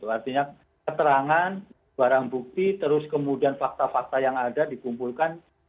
artinya keterangan barang bukti terus kemudian fakta fakta yang ada dikumpulkan